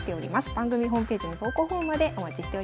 番組ホームページの投稿フォームまでお待ちしております。